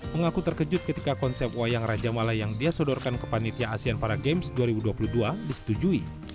mengaku terkejut ketika konsep wayang raja mala yang dia sodorkan ke panitia asean para games dua ribu dua puluh dua disetujui